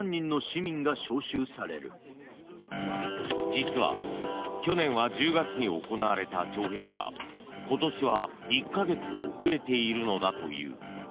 実は去年は１０月に行われた徴兵が今年は１か月遅れているのだという。